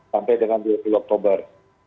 sampai dengan dua puluh oktober